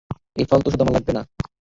এই ফালতু ঔষধ আমাদের লাগবে না।